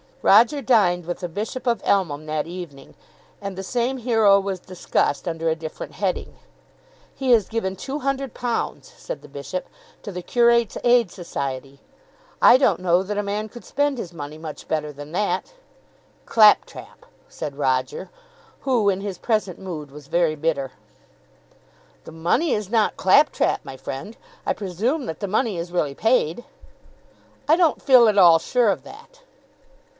Roger dined with the Bishop of Elmham that evening, and the same hero was discussed under a different heading. "He has given £200," said the Bishop, "to the Curates' Aid Society. I don't know that a man could spend his money much better than that." "Clap trap!" said Roger, who in his present mood was very bitter. "The money is not clap trap, my friend. I presume that the money is really paid." "I don't feel at all sure of that."